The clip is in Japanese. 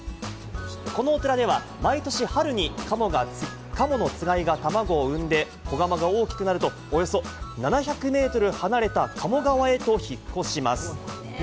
このお寺では毎年春にカモのつがいが卵を産んで子ガモが大きくなるとおよそ７００ｍ離れた鴨川へと引っ越します。